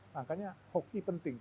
makanya hoki penting